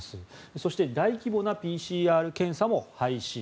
そして大規模なＰＣＲ検査も廃止。